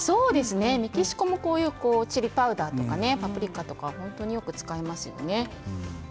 メキシコもチリパウダーとかパプリカとか本当によく使いますね。